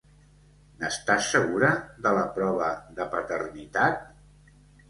N'estàs segura, de la prova de paternitat?